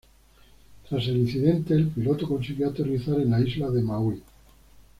Tras el incidente, el piloto consiguió aterrizar en la isla de Maui.